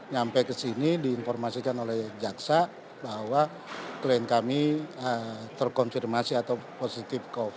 saya juga baru tahu tadi pagi dapat info dari jaksa penutup umum bahwa ibu putri kena terkonfirmasi covid